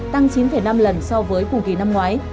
tăng chín năm lần so với cùng kỳ năm ngoái